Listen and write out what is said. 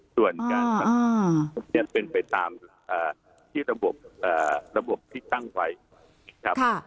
ส่วนการเป็นไปตามระบบที่ตั้งไว้ครับ